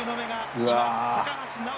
うわ。